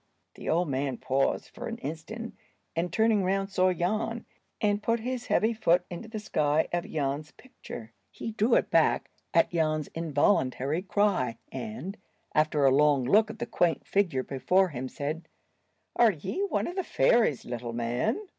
The old man paused for an instant, and, turning round, saw Jan, and put his heavy foot into the sky of Jan's picture. He drew it back at Jan's involuntary cry, and, after a long look at the quaint figure before him, said, "Are ye one of the fairies, little man?"